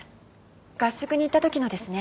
合宿に行った時のですね。